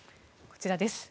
こちらです。